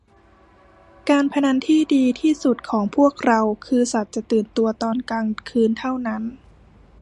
การพนันที่ดีทีสุดของพวกเราคือสัตว์จะตื่นตัวตอนกลางคืนเท่านั้น